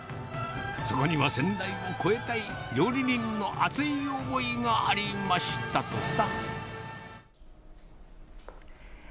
そこには先代を超えたい料理人の熱い思いがありましたとさ。